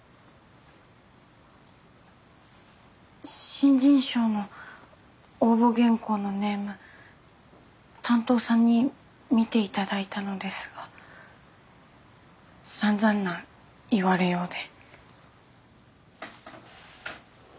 新人賞の応募原稿のネーム担当さんに見て頂いたのですがさんざんな言われようで。